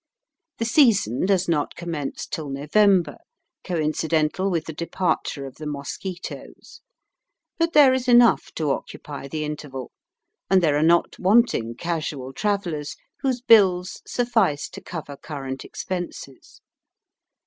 The season does not commence till November, coincidental with the departure of the mosquitoes. But there is enough to occupy the interval, and there are not wanting casual travellers whose bills suffice to cover current expenses.